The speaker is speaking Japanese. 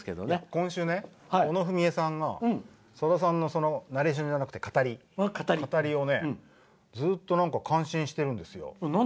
今週、小野文恵さんがナレーションじゃなくて語りをねずっと感心してるんですよ。